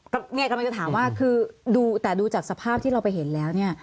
กำลังจะถามว่าคือดูแต่ดูจากสภาพที่เราไปเห็นแล้วเนี่ย